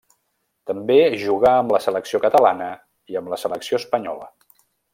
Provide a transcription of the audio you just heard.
També jugà amb la selecció catalana i amb la selecció espanyola.